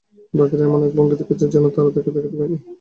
বাকিরা এমন এক ভঙ্গি করবে যেন তারা তাকে দেখতে পায়নি।